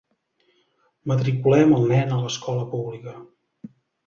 Matriculem el nen a l'escola pública.